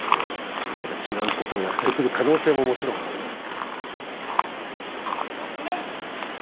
何か違うことをやってくる可能性もあります。